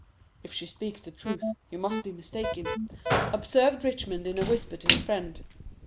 "If she speaks the truth, you must be mistaken," observed Richmond in a whisper to his friend.